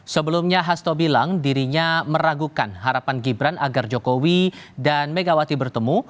sebelumnya hasto bilang dirinya meragukan harapan gibran agar jokowi dan megawati bertemu